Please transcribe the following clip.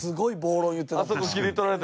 言ってた。